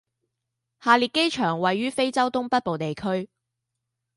下列机场位于非洲东北部地区。